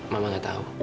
mama gak tau